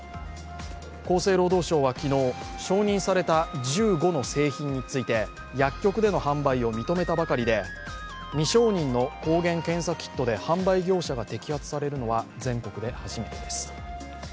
厚生労働省は昨日、承認された１５の製品について薬局での販売を認めたばかりで、未承認の抗原検査キットで販売業者が摘発されるのは全国で初めてです。